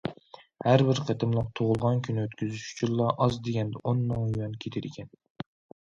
ھەر بىر قېتىملىق تۇغۇلغان كۈن ئۆتكۈزۈش ئۈچۈنلا ئاز دېگەندە ئون مىڭ يۈەن كېتىدىكەن.